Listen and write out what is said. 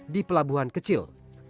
di pelabuhan kecil